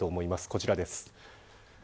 こちらです。